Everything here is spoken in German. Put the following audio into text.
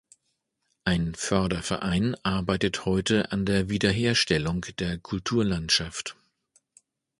Ein Förderverein arbeitet heute an der Wiederherstellung der Kulturlandschaft.